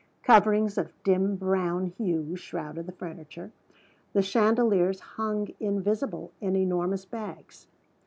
Coverings of dim brown hue shrouded the furniture. The chandeliers hung invisible in enormous bags.